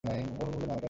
ও হল মার্গারেট।